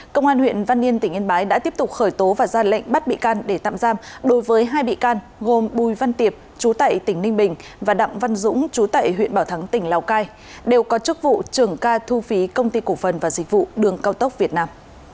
công an huyện văn yên tỉnh yên bái đã tiếp tục khởi tố và ra lệnh bắt bị can để tạm giam đối với hai bị can gồm bùi văn tiệp chú tại tỉnh ninh bình và đặng văn dũng chú tại huyện bảo thắng tỉnh lào cai đều có chức vụ trưởng ca thu phí công ty cổ phần và dịch vụ đường cao tốc việt nam